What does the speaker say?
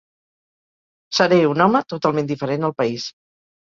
Seré un home totalment diferent al país.